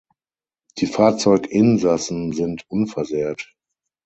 Die Fahrzeuginsassen sind unversehrt.